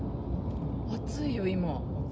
熱いよ、今。